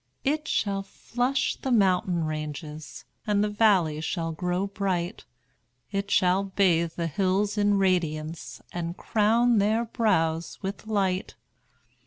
It shall flush the mountain ranges, And the valleys shall grow bright; It shall bathe the hills in radiance, And crown their brows with light.